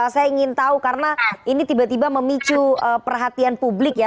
saya ingin tahu karena ini tiba tiba memicu perhatian publik ya